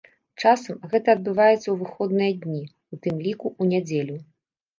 Часам гэта адбываецца ў выходныя дні, у тым ліку ў нядзелю.